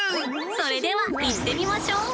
それでは行ってみましょう！